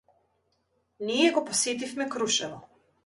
Ние го посетивме Крушево.